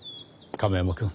亀山くん。